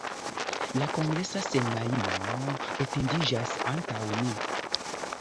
La kongresa semajno etendiĝas antaŭ ni.